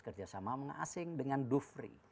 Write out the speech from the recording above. kerjasama mengasing dengan doofree